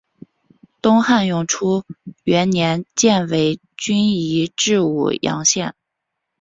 东汉永初元年犍为郡移治武阳县。